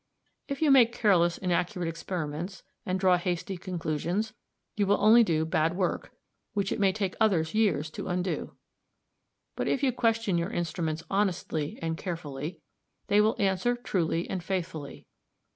If you make careless, inaccurate experiments, and draw hasty conclusions, you will only do bad work, which it may take others years to undo; but if you question your instruments honestly and carefully, they will answer truly and faithfully.